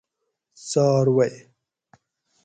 څاروئی